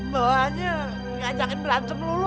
bahwanya ngajakin beransum dulu